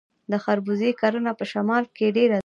د خربوزې کرنه په شمال کې ډیره ده.